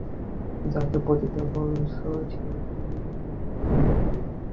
যাকে পতিতা বলছ, সেও তো মহামায়াই।